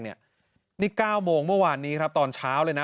นี่๙โมงเมื่อวานนี้ครับตอนเช้าเลยนะ